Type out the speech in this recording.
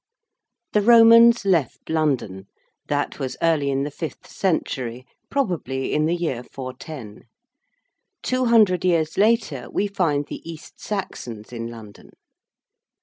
The Romans left London. That was early in the fifth century; probably in the year 410. Two hundred years later we find the East Saxons in London.